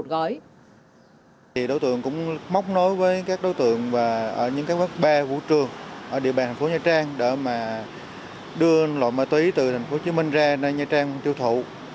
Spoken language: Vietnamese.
đối tượng cũng móc nối với các đối tượng ở những các bác ba vũ trường ở địa bàn thành phố nha trang để mà đưa loại ma túy từ thành phố hồ chí minh ra nha trang tiêu thụ